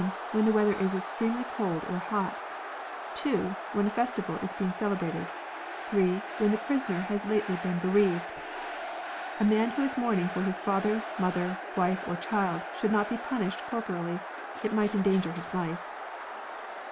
When the weather is extremely cold or hot. (2.) "When a festival is being celebrated. (3 ) When the prisoner has lately been bereaved. [A man who is mourning for his father, mother, wife, or child, should not be punished cor poreally ; it might endanger his life.